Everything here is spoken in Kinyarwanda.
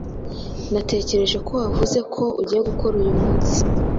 Natekereje ko wavuze ko ugiye gukora uyu munsi.